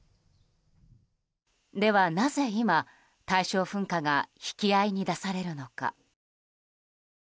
ではなぜ今、大正噴火が引き合いに出されるのか。